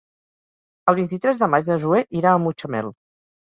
El vint-i-tres de maig na Zoè irà a Mutxamel.